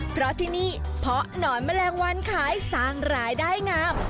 เพราะที่นี่เพาะหนอนแมลงวันขายสร้างรายได้งาม